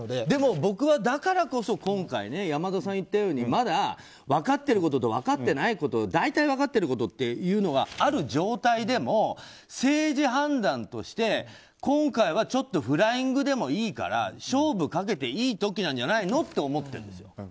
でも、僕はだからこそ今回山田さんが言ったようにまだ分かってることと分かってないこと大体分かっていることがある状態でも政治判断として今回はちょっとフライングでもいいから勝負をかけていい時なんじゃないのって思ってます。